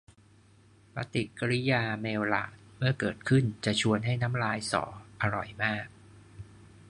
ปฏิกริยาเมลลาร์ด เมื่อเกิดขึ้น จะชวนให้น้ำลายสอ อร่อยมาก